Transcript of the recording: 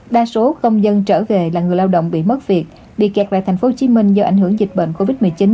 đa số công dân trở về là người lao động bị mất việc bị kẹt lại thành phố hồ chí minh do ảnh hưởng dịch bệnh covid một mươi chín